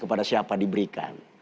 kepada siapa diberikan